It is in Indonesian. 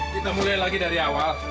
kita mulai lagi dari awal